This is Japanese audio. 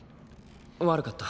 悪かった。